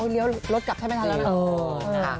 เรียวรถกลับใช่ไหมทางนั้น